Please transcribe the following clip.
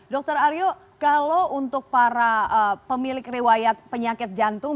dr aryo kalau untuk para pemilik riwayat penyakit jantung